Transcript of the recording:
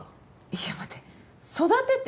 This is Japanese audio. いや待って育てってさ